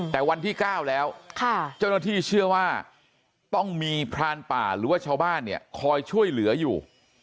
แต่วันที่๙แล้วเจ้าหน้าที่เชื่อว่าต้องมีพรานป่าหรือว่าชาวบ้านเนี่ยคอยช่วยเหลืออยู่